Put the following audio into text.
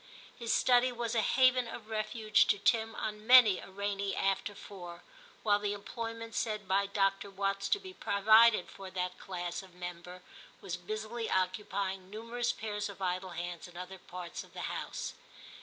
His study was a haven of refuge to Tim on many a rainy after four, while the employment said by Dr. Watts to be provided for that class of member was busily occupying numerous pairs of idle hands in other parts of the vr TIM 117 house.